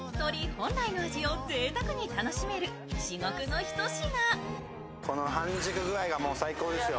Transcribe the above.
本来の味をぜいたくに楽しめる至極のひと品。